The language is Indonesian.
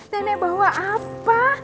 nenek bawa apa